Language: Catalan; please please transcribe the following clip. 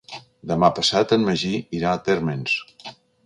Demà passat en Magí irà a Térmens.